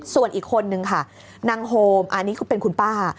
ส่วนอีกคนนึงค่ะนางโฮมอันนี้คือเป็นคุณป้า